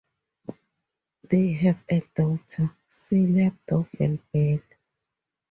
They have a daughter, Celia Dovell Bell.